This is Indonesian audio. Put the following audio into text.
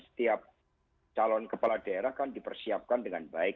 setiap calon kepala daerah kan dipersiapkan dengan baik